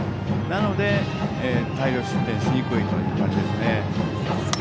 なので、大量失点しにくいという感じですね。